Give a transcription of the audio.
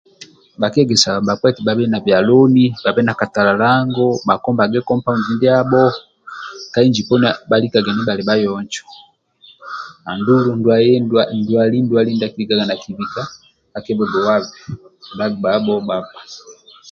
Bhakie gesaga bhakpa eti bhabhe na bioloni bhabhe na katalalango bhakombage kompaundi ndiabho ka inji poni bhalikage nibhali bhayonjo andulu ndwaye ndwali ndwali ndia akilikaga nakibika kakibhuduabe gbabho bhakpa